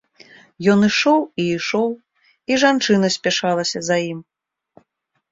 Ён ішоў і ішоў, і жанчына спяшалася за ім.